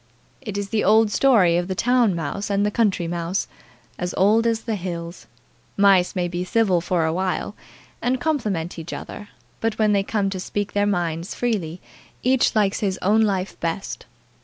"It's the old story of the town mouse and the country mouse, as old as the hills. Mice may be civil for a while, and compliment each other; but when they come to speak their minds freely, each likes his own life best."